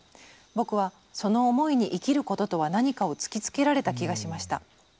僕はその思いに生きることとは何かを突きつけられた気がしました。